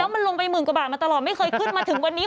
มันลงไปหมื่นกว่าบาทมาตลอดไม่เคยขึ้นมาถึงวันนี้